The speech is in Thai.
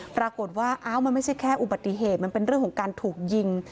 ปรากฏว่าอ้าวมันไม่ใช่แค่อุบัติเหตุมันเป็นเรื่องของการถูกยิง